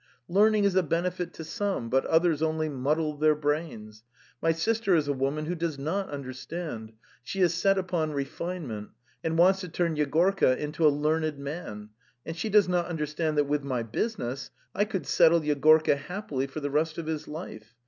'Learning is a benefit to some, but others only muddle their brains. My sister is a woman who does not understand; she is set upon refinement, and wants to turn Yegorka into a learned man, and she does not understand that with my business I could settle Yegorka happily for the rest of his life.